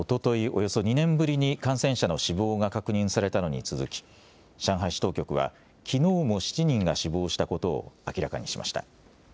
およそ２年ぶりに感染者の死亡が確認されたのに続き上海市当局はきのうも７人が死亡したことを明らかにしました。